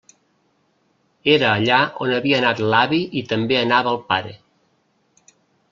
Era allà on havia anat l'avi i també anava el pare.